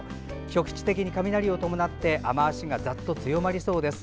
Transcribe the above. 局地的に雷を伴って雨足がざっと強まりそうです。